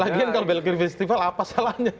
lagian kalau belok kiri festival apa salahnya